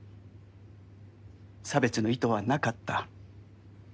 差別の意図はなかった。